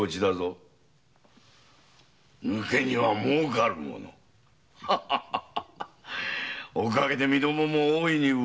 抜け荷は儲かるものおかげで身どもも大いにうるおった。